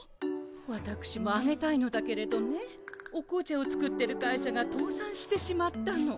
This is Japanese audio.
わたくしもあげたいのだけれどねお紅茶を作ってる会社がとうさんしてしまったの。